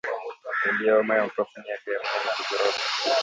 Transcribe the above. Dalili ya homa ya mapafu ni afya ya mnyama kuzorota